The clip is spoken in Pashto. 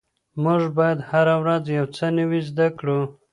موږ باید هره ورځ یو څه نوي زده کړو.